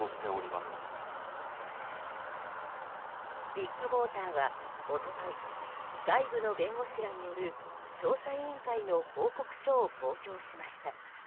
ビッグモーターは一昨日、外部の弁護士らによる調査委員会の報告書を公表しました。